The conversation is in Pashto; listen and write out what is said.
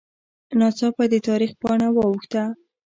ناڅاپه د تاریخ پاڼه واوښته